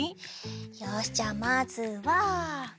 よしじゃあまずは。